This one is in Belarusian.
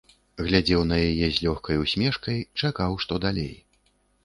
Глядзеў на яе з лёгкай усмешкай, чакаў, што далей.